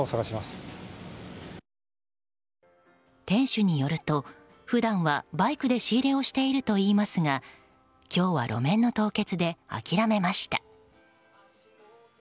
店主によると普段はバイクで仕入れをしているといいますが今日は路面の凍結で諦めました。